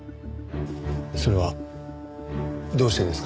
それはどうしてですか？